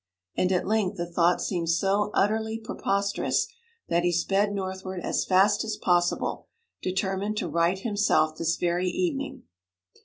And at length the thought seemed so utterly preposterous that he sped northward as fast as possible, determined to right himself this very evening.